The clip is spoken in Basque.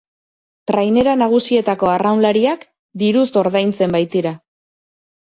Trainera nagusietako arraunlariak diruz ordaintzen baitira.